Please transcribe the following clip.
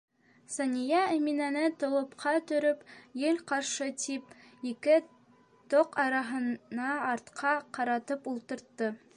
Сания Әминәне толопҡа төрөп, ел ҡаршы, тип, ике тоҡ араһына артҡа ҡаратып ултыртты.